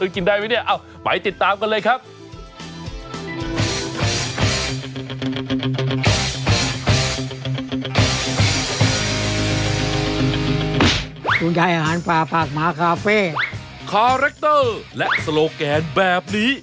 คาแรคเตอร์และโซโลแกนแบบนี้